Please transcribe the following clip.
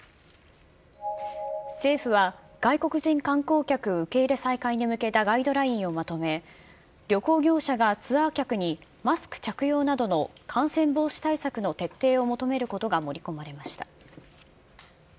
政府は、外国人観光客受け入れ再開に向けたガイドラインをまとめ、旅行業者がツアー客にマスク着用などの感染防止対策の徹底を求めることが盛り込まれました。